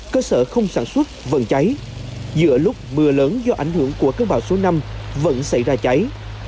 cơ sở không sản xuất vận cháy giữa lúc mưa lớn do ảnh hưởng của cơn bão số năm vẫn xảy ra cháy